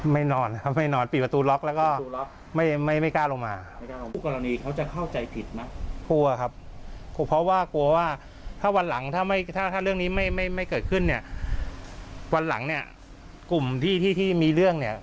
ถ้าไม่เกิดขึ้นเนี่ยวันหลังเนี่ยกลุ่มที่มีเรื่องเนี่ย